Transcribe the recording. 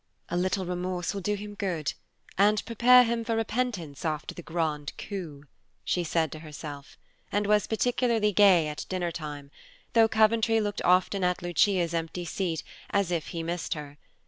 A little remorse will do him good, and prepare him for repentance after the grand coup, she said to herself, and was particularly gay at dinnertime, though Coventry looked often at Lucia's empty seat, as if he missed her.